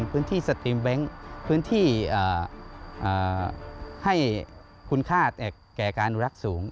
พื้นที่สตรีมแบงค์พื้นที่ให้คุณค่าแก่การอนุรักษ์สูง